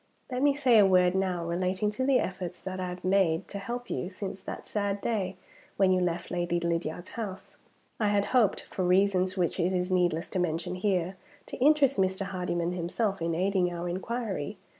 "Let me say a word now relating to the efforts that I have made to help you, since that sad day when you left Lady Lydiard's house. "I had hoped (for reasons which it is needless to mention here) to interest Mr. Hardyman himself in aiding our inquiry.